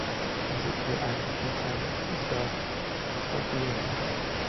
Así que "Aladdin Sane" estaba partido al medio".